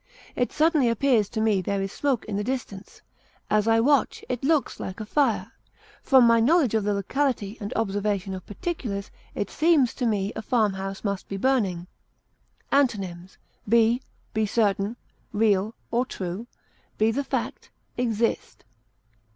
It suddenly appears to me that there is smoke in the distance; as I watch, it looks like a fire; from my knowledge of the locality and observation of particulars, it seems to me a farmhouse must be burning. Antonyms: be, be certain, real, or true, be the fact, exist.